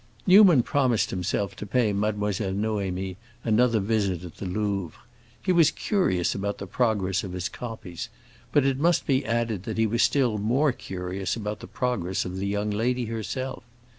Newman promised himself to pay Mademoiselle Noémie another visit at the Louvre. He was curious about the progress of his copies, but it must be added that he was still more curious about the progress of the young lady herself.